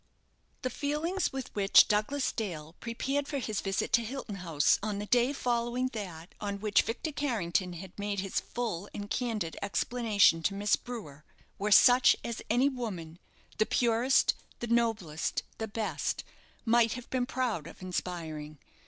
The feelings with which Douglas Dale prepared for his visit to Hilton House on the day following that on which Victor Carrington had made his full and candid explanation to Miss Brewer, were such as any woman the purest, the noblest, the best might have been proud of inspiring.